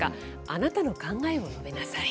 あなたの考えを述べなさい。